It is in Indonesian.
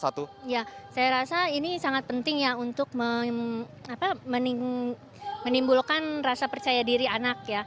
saya rasa ini sangat penting ya untuk menimbulkan rasa percaya diri anak ya